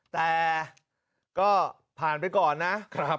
แต่ก็ผ่านไปก่อนนะ